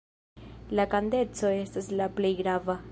La kadenco estas la plej grava.